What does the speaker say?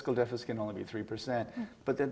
bahwa kekurangan kredit kredit